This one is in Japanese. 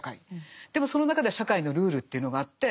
でもその中では社会のルールというのがあって。